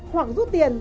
hoặc rút tiền